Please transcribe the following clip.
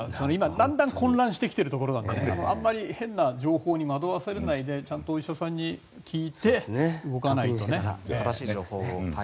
だんだん混乱しているところですがあまり変な情報に惑わされないでお医者さんに聞いて動かないと。